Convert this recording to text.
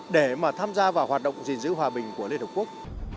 để mà tham gia vào hoạt động gì giữ hòa bình của liên hiệp quốc